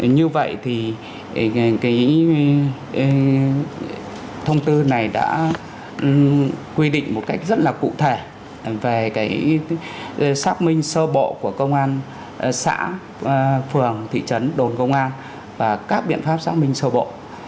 như vậy thì cái thông tư này đã quy định một cách rất là cụ thể về xác minh sơ bộ của công an xã phường thị trấn đồn công an và các biện pháp xác minh sơ bộ